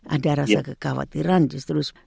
ada rasa kekhawatiran justru